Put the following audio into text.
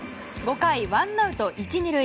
５回、ワンアウト１、２塁。